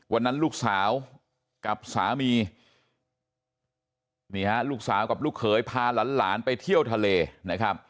วันนั้นลูกสาวกับสามีนี่ฮะลูกสาวกับลูกเขยพาหลานไปเที่ยวทะเลนะครับ